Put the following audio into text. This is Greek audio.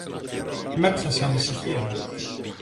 Μ' έπιασε ανησυχία